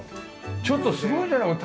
ちょっとすごいじゃないこれ。